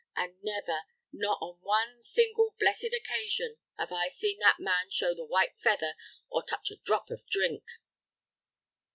And never, not on one single blessed occasion, have I seen that man show the white feather or touch a drop of drink!"